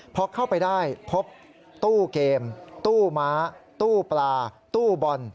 พอเข้าไปได้พบตู้เกมตู้ม้าตู้ปลาตู้บอล